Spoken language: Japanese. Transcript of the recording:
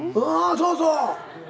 そうそう。